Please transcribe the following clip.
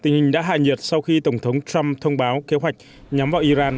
tình hình đã hạ nhiệt sau khi tổng thống trump thông báo kế hoạch nhắm vào iran